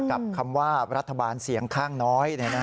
กับคำว่ารัฐบาลเสียงข้างน้อยเนี่ยนะฮะ